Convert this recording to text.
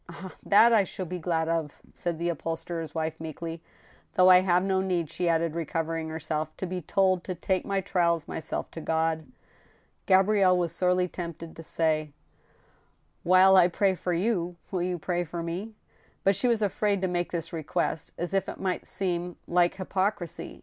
"Ah! that I shall be glad of," said the upholsterer's wife, meek ly, "though I have no need," she added, recovering herself, "to be told to take my trials myself to God." Gabrielle was sorely tempted to say :" While I pray for you, will you pray for me ?" But she was afraid to make this request, as if it might seem like hypocrisy.